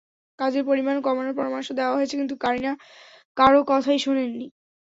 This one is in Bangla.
কাজের পরিমাণও কমানোর পরামর্শ দেওয়া হয়েছে, কিন্তু কারিনা কারও কথাই শোনেননি।